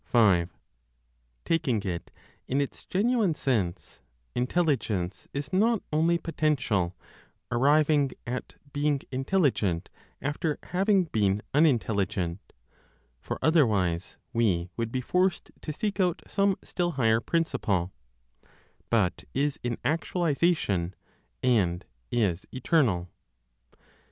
5. Taking it in its genuine sense, Intelligence is not only potential, arriving at being intelligent after having been unintelligent for otherwise, we would be forced to seek out some still higher principle but is in actualization, and is eternal.